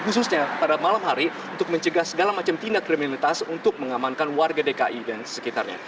khususnya pada malam hari untuk mencegah segala macam tindak kriminalitas untuk mengamankan warga dki dan sekitarnya